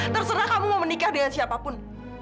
terserah kamu mau menikah dengan siapapun